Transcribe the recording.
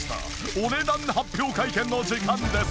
お値段発表会見の時間です。